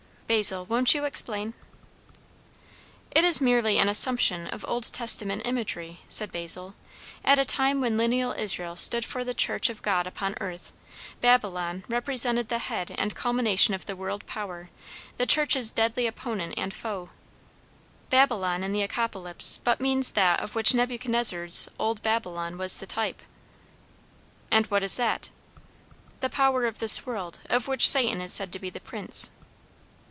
"Basil, won't you explain?" "It is merely an assumption of old Testament imagery," said Basil. "At a time when lineal Israel stood for the church of God upon earth, Babylon represented the head and culmination of the world power, the church's deadly opponent and foe. Babylon in the Apocalypse but means that of which Nebuchadnezzar's old Babylon was the type." "And what is that?" "The power of this world, of which Satan is said to be the prince."